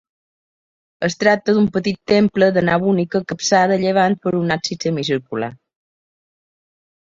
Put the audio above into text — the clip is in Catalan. Es tracta d'un petit temple de nau única capçada a llevant per un absis semicircular.